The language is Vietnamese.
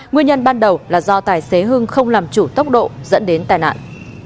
nguyên nhân ban đầu là do tài xế hưng không làm chủ tốc độ dẫn đến tai nạn